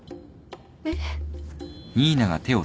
えっ？